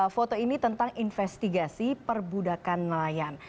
foto ini tentang investigasi perbudakan nelayan